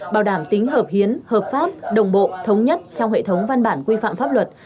bảo đảm tính hợp hiến hợp pháp đồng bộ thống nhất trong hệ thống văn bản quy phạm pháp luật